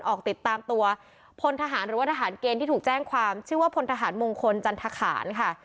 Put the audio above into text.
ออกติดตามตัวพลทหารหรือว่าทหารเกณฑ์ที่ถูกแจ้งความชื่อว่าพลทหารมงคลจันทคารค่ะ